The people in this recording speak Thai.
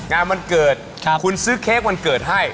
วันเกิดคุณซื้อเค้กวันเกิดให้